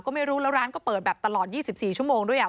ก็ไม่รู้แล้วร้านก็เปิดแบบตลอด๒๔ชั่วโมงด้วยอ่ะ